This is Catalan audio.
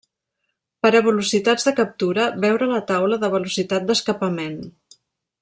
Per a velocitats de captura veure la taula de velocitat d'escapament.